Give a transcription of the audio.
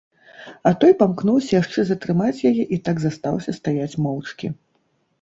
А той памкнуўся яшчэ затрымаць яе і так застаўся стаяць моўчкі.